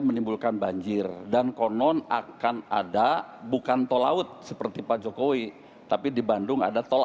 menimbulkan banjir dan konon akan ada bukan tol laut seperti pak jokowi tapi di bandung ada tol